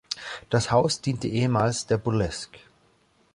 Das Haus diente ehemals der Burlesque.